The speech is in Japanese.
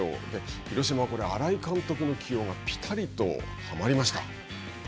広島は新井監督の起用がぴたりとはまりました。